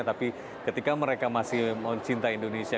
tapi ketika mereka masih mencintai indonesia